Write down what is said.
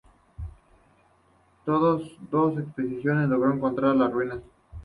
Tras dos expediciones, logró encontrar las ruinas.